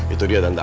itu dia tante